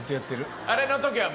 あれの時は。